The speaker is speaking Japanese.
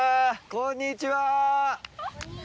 こんにちは。